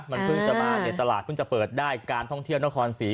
มันเพิ่งจะมาในตลาดเพิ่งจะเปิดได้การท่องเที่ยวนครศรี